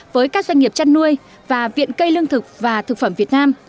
với các doanh nghiệp chăn nuôi và viện cây lương thực và thực phẩm việt nam